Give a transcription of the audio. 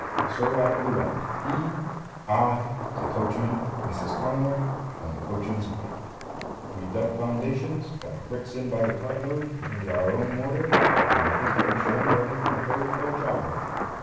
So at it we went, he, I, the coachman, Mrs. Cullingworth, and the coachman's wife. We dug foundations, got bricks in by the cartload, made our own mortar, and I think that we shall end by making a very fair job of it.